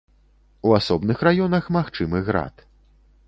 У асобных раёнах магчымы град.